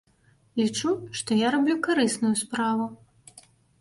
Лічу, што я раблю карысную справу.